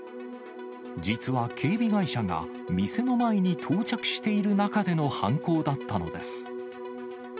実は警備会社が、店の前に到着している中での犯行だったのです。